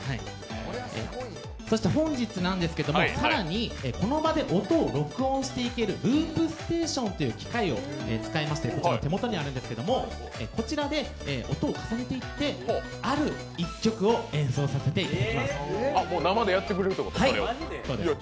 本日なんですけども、更にこの場で音を録音していけるループステーションという機械を使いまして、僕の手元にあるんですけど、こちらで音を重ねていってある一曲を演奏させていただきます。